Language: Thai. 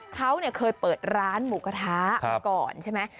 เขาเคยเปิดร้านหมูกระทะมาก่อนใช่ไหม